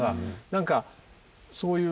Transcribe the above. なんかそういう。